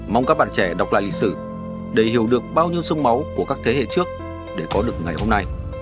mong các bạn trẻ đọc lại lịch sử để hiểu được bao nhiêu sông máu của các thế hệ trước để có được ngày hôm nay